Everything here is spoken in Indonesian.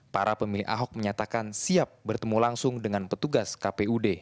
para pemilih ahok menyatakan siap bertemu langsung dengan petugas kpud